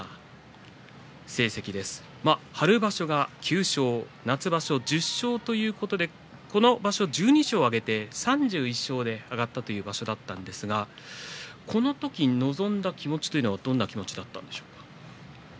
春場所が９勝夏場所１０勝ということでこの場所１２勝を挙げて３１勝で上がったという場所だったんですがこのあと臨んだ気持ちはどんな気持ちだったんでしょうか。